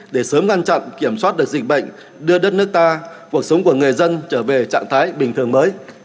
để sớm ngăn chặn kiểm soát được dịch bệnh đưa đất nước ta cuộc sống của người dân trở về trạng thái bình thường mới